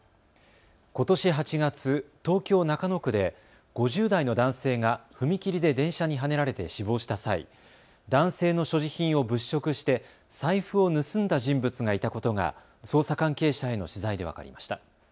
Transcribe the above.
ことし８月、東京中野区で５０代の男性が踏切で電車にはねられて死亡した際、男性の所持品を物色して財布を盗んだ人物がいたことが捜査関係者への取材で分かりました。